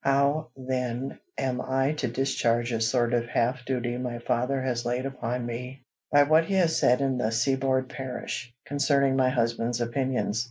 How, then, am I to discharge a sort of half duty my father has laid upon me by what he has said in "The Seaboard Parish," concerning my husband's opinions?